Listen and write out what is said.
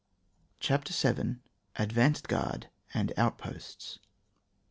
CHAPTER VIL ADVANCED GUARD AND OUT POSTS.